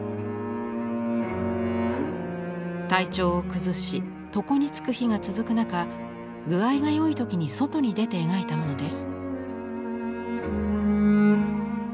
体調を崩し床に就く日が続く中具合が良い時に外に出て描いたものです。